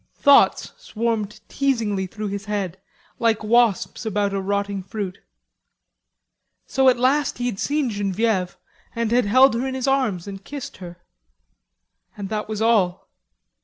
Thoughts swarmed teasingly through his head, like wasps about a rotting fruit. So at last he had seen Genevieve, and had held her in his arms and kissed her. And that was all.